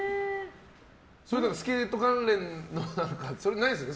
スケート関連のはないですよね？